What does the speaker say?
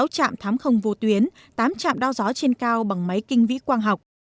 sáu trạm thám không vô tuyến tám trạm đo gió trên cao bằng máy kinh vĩ quang học